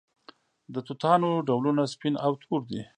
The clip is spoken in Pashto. د توتانو ډولونه سپین او تور دي.